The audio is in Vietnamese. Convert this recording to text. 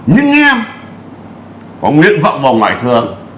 những em có nguyện vọng vào ngoại thường